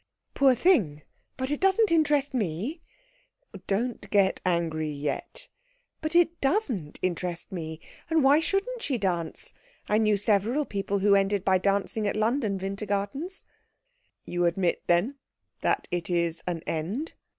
"Poor thing. But it doesn't interest me." "Don't get angry yet." "But it doesn't interest me. And why shouldn't she dance? I knew several people who ended by dancing at London Wintergartens." "You admit, then, that it is an end?"